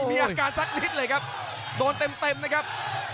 มีอาการสักนิดเลยครับโดนเต็มนะครับ